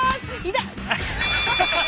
痛っ。